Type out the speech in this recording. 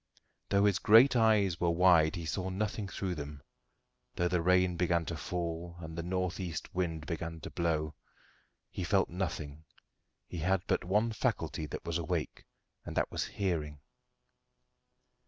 Though his great eyes were wide he saw nothing through them; though the rain began to fall, and the north east wind to blow, he felt nothing: he had but one faculty that was awake, and that was hearing.